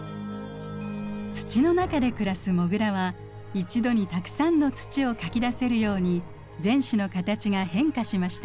土の中で暮らすモグラは一度にたくさんの土をかき出せるように前肢の形が変化しました。